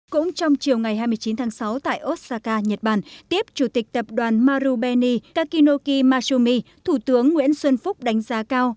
cũng trong chiều ngày hai mươi chín tháng sáu tại osaka nhật bản tiếp chủ tịch tập đoàn marubeni kakinoki masumi thủ tướng nguyễn xuân phúc đánh giá cao